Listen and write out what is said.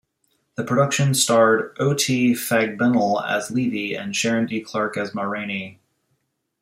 The production starred O-T Fagbenle as Levee and Sharon D. Clarke as Ma Rainey.